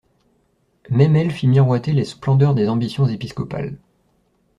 Même elle fit miroiter les splendeurs des ambitions épiscopales.